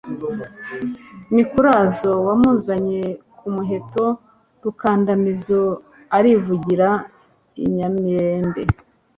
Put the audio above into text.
Mikurazo wamuzanye ku muheto Rukandamizo urivugira i Nyamirembe